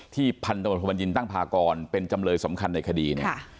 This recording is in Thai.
ที่พันธุบันยินตั้งพากรเป็นจำเลยสำคัญในคดี